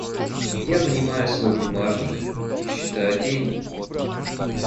Я вынимаю свой бумажник и считаю деньги.